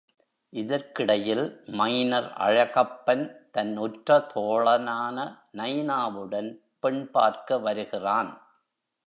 இதற்கிடையில், மைனர் அழகப்பன் தன் உற்ற தோழனான நயினாவுடன் பெண்பார்க்க வருகிறான்.